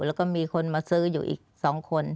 แล้วก็มีคนมาซื้ออยู่อีก๒คน